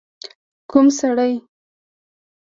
ک و م سړی؟